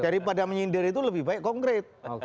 kalau pada menyindir itu lebih baik konkret